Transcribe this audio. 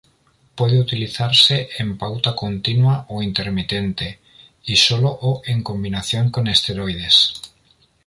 Puede utilizarse en pauta continua o intermitente y solo o en combinación con esteroides.